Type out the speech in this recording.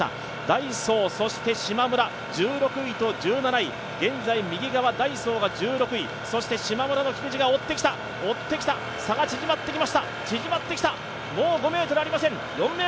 ダイソー、しまむら、１６位と１７位、現在右側ダイソーが１６位、そしてしまむらの菊地が追ってきた、差が縮まってきた、もう５ｍありません。